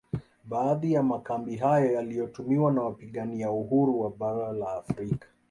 Baadhi ya makambi hayo yaliyotumiwa na wapigania uhuru wa bara la Afrika